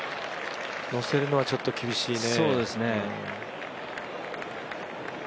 のせるのはちょっと厳しいね。